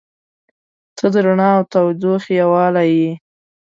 • ته د رڼا او تودوخې یووالی یې.